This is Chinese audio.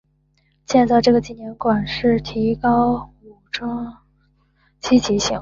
建造这个纪念馆是提高装甲兵的积极性。